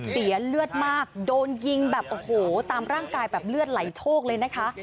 เสียเลือดมากโดนยิงแบบโอ้โหตามร่างกายแบบเลือดไหลโชคเลยนะคะ